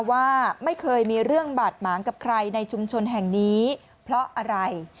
ว่าไม่เคยมีเรื่องบาดหมางกับใครในชุมชนแห่งนี้เพราะอะไร